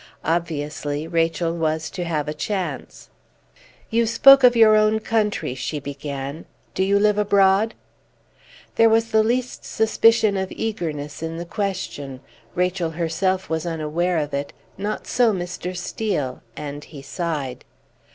Obviously, Rachel was to have a chance. "You spoke of your own country," she began. "Do you live abroad?" There was the least suspicion of eagerness in the question. Rachel herself was unaware of it; not so Mr. Steel, and he sighed.